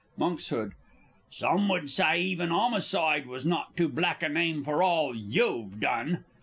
Monks. Some would say even 'omicide was not too black a name for all you've done.